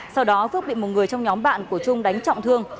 sau đó phước bị một người trong nhóm bạn của trung đánh trọng thương